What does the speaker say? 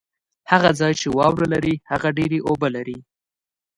هغه ځای چې واوره لري ، هغه ډېري اوبه لري